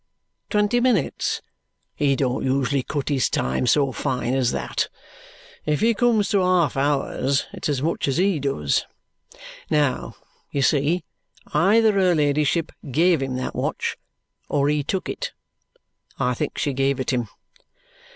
Twenty minutes! He don't usually cut his time so fine as that. If he comes to half hours, it's as much as HE does. Now, you see, either her ladyship gave him that watch or he took it. I think she gave it him.